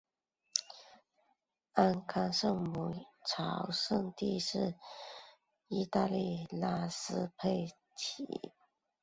安康圣母朝圣地是意大利拉斯佩齐亚省里奥马焦雷的一座罗马天主教教堂。